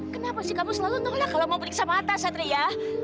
kenapa sih kamu selalu nolak kalau mau beriksa mata satria